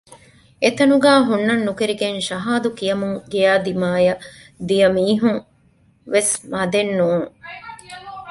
އެތަނުގައި ހުންނަން ނުކެރިގެން ޝަހާދު ކިޔަމުން ގެޔާ ދިމާއަށް ދިޔަ މީހުންވެސް މަދެއް ނޫން